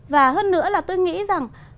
và hơn nữa là tôi nghĩ rằng